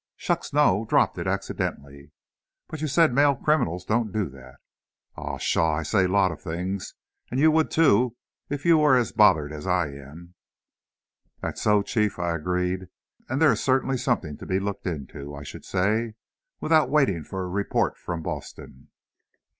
"Shucks, no! Dropped it accidentally." "But you said male criminals don't do that!" "Oh, pshaw! I say lots of things, and you would, too, if you were as bothered as I am!" "That's so, Chief," I agreed, "and there is certainly something to be looked into, I should say, without waiting for a report from Boston."